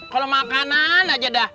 kalau makanan aja dah